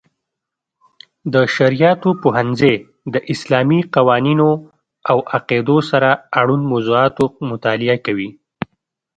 د شرعیاتو پوهنځی د اسلامي قوانینو او عقیدو سره اړوند موضوعاتو مطالعه کوي.